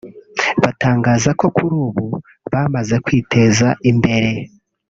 batangaza ko kuri ubu bamaze kwiteza imbere